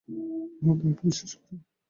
ওহ, তাকে বিশ্বাস করাবো।